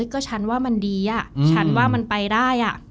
ก็ฉันว่ามันดีฉันว่ามันไปได้